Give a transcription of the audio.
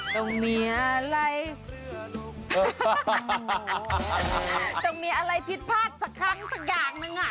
ต้องมีอะไรต้องมีอะไรผิดพลาดสักครั้งสักอย่างหนึ่งอ่ะ